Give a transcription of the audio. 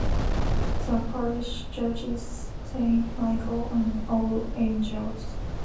The parish church is Saint Michael and All Angels.